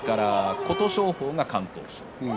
琴勝峰が敢闘賞。